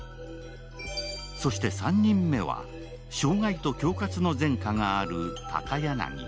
そして３人目は、傷害と恐喝の前科がある高柳。